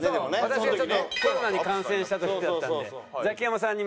私がちょっとコロナに感染した時だったのでザキヤマさんに任せた時です。